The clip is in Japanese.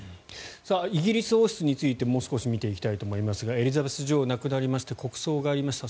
イギリス王室についてもう少し見ていきたいと思いますがエリザベス女王亡くなりまして国葬がありました。